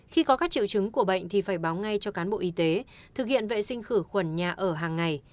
khi có các triệu chứng của bệnh thì phải báo ngay cho cán bộ y tế thực hiện vệ sinh khử khuẩn nhà ở hàng ngày